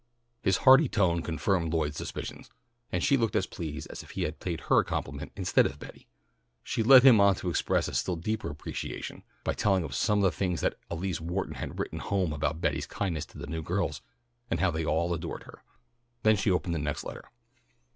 His hearty tone confirmed Lloyd's suspicions, and she looked as pleased as if he had paid her a compliment instead of Betty. She led him on to express a still deeper appreciation, by telling of some of the things that Elise Walton had written home about Betty's kindness to the new girls and how they all adored her. Then she opened the next letter.